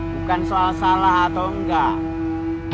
bukan soal salah atau enggak